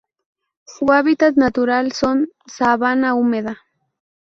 Su hábitat natural son: sabana húmeda.